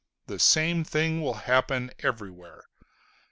The same thing will happen everywhere.